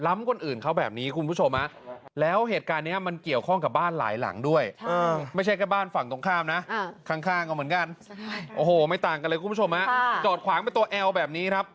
ไม่ต่างกันเลยคุณผู้ชมจอดขวางมาตัวอัลแบบนี้